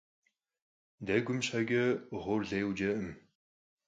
Degum şheç'e ğuor lêyue cerkhım.